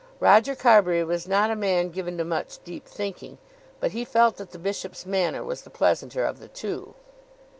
Roger Carbury was not a man given to much deep thinking, but he felt that the bishop's manner was the pleasanter of the two.